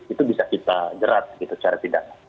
itu bisa kita jerat gitu secara tidak